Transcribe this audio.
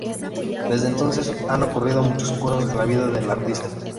Desde entonces, han ocurrido muchas cosas en la vida de la artista.